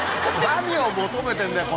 何を求めてんだよ？